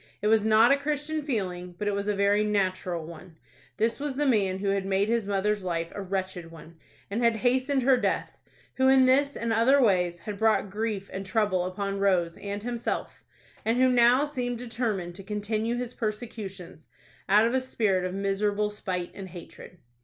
It was not a Christian feeling, but it was a very natural one. This was the man who had made his mother's life a wretched one, and hastened her death; who in this and other ways had brought grief and trouble upon Rose and himself, and who now seemed determined to continue his persecutions, out of a spirit of miserable spite and hatred.